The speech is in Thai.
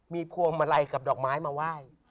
มีพวงมาลัยกับดอกไม้มาไหว้